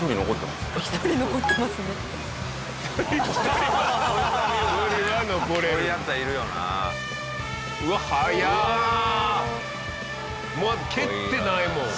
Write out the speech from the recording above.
まだ蹴ってないもん。